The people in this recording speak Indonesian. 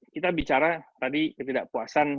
kita bicara tadi ketidakpuasan